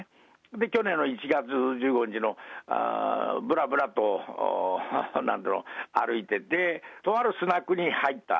去年の１月１５日の、ぶらぶらと歩いてて、とあるスナックに入った。